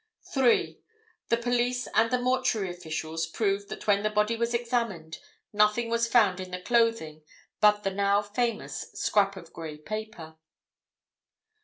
3. The police and the mortuary officials proved that when the body was examined nothing was found in the clothing but the now famous scrap of grey paper.